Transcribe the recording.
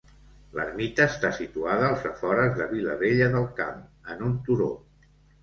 L'ermita està situada als afores de Vilabella del Camp, en un turó.